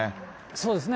そうですね。